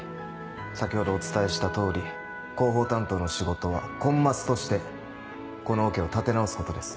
先ほどお伝えした通り広報担当の仕事はコンマスとしてこのオケを立て直すことです。